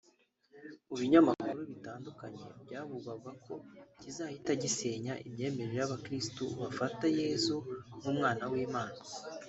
mu binyamakuru bitandukanye byavugwaga ko kizahita gisenya imyemerere y’Abakirisitu bafata Yezu nk’umwana w’Imana